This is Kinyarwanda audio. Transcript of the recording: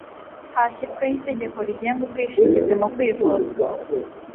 hashyizweho itegeko rigenga ubwishingizi mu kwivuza